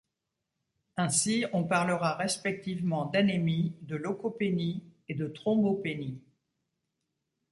Ainsi, on parlera respectivement d'anémie, de leucopénie et de thrombopénie.